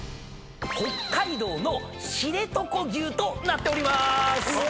北海道の知床牛となっておりまーす。